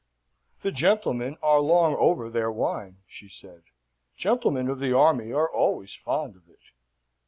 "The gentlemen are long over their wine," she said; "gentlemen of the army are always fond of it."